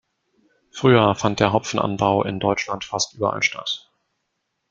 Früher fand der Hopfenanbau in Deutschland fast überall statt.